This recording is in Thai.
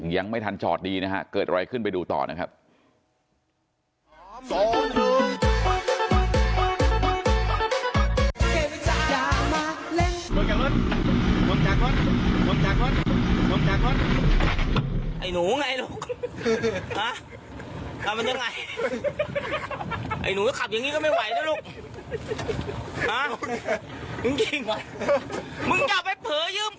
ยังไม่ทันจอดดีนะฮะเกิดอะไรขึ้นไปดูต่อนะครับ